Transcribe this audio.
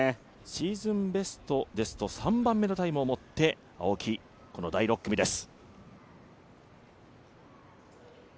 シーズンベストですと３番目のタイムを持って青木、この第６組です。